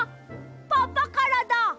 パパからだ！